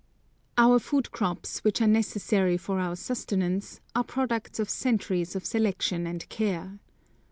Our food crops, which are necessary for our sustenance, are products of centuries of selection and care.